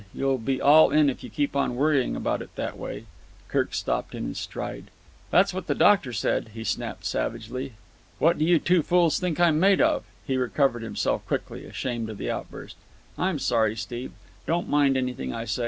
"You'll be all in if you keep on worrying about it in that way." Kirk stopped in his stride. "That's what the doctor said," he snapped savagely. "What do you two fools think I'm made of?" He recovered himself quickly, ashamed of the outburst. "I'm sorry, Steve. Don't mind anything I say.